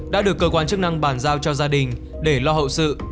đã được cơ quan chức năng bàn giao cho gia đình để lo hậu sự